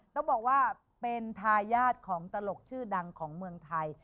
ต้องบอกว่าเป็นทายาทของตลกชื่อดังของเมืองไทย